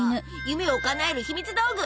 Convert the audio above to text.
夢をかなえるひみつ道具。